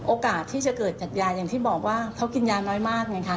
โอกาสที่จะเกิดจากยาอย่างที่บอกว่าเขากินยาน้อยมากไงคะ